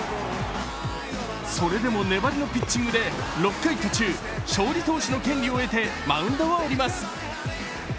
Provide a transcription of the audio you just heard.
それでも粘りのピッチングで６回途中、勝利投手の権利を得てマウンドを降ります。